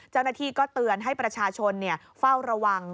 เจ้าหน้าที่ก็เตือนให้ประชาชนเฝ้าระวัง